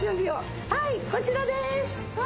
はいこちらでーすわあ